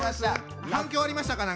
やりました。